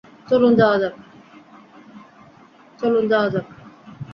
চলুন যাওয়া যাক।